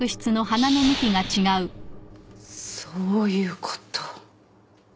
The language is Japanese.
そういうこと。